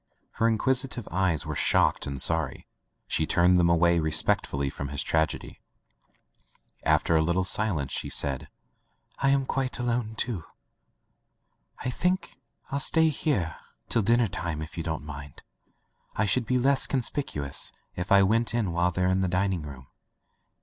Her inquisitive eyes were shocked and sorry. She turned diem away respectfully from his tragedy. After a litde silence she said: "I am quite alone, too. ... "I think ril stay here till dinner time, if you don't mind. I should be less conspicu ous if I went in while they're in the dining room.